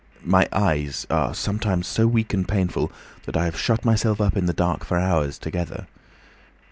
My eyes—are sometimes so weak and painful that I have to shut myself up in the dark for hours together.